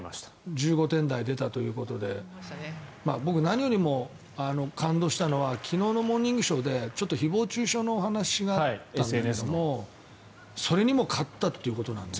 １５点台出たということで僕、何よりも感動したのは昨日の「モーニングショー」でちょっと誹謗・中傷の話があったんですけれどもそれにも勝ったということなので。